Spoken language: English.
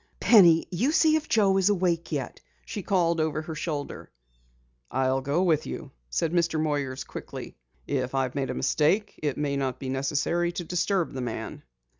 "Penny, you see if Joe is awake yet," she called over her shoulder. "I'll go with you," said Mr. Moyer quickly. "If I have made a mistake it may not be necessary to disturb the man."